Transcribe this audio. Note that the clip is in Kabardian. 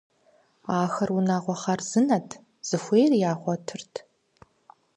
Ахэр унагъуэ хъарзынэт, захуейр ягъуэтырт.